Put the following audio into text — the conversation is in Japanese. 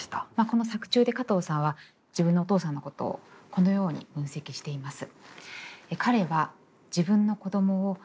この作中でカトーさんは自分のお父さんのことをこのように分析しています。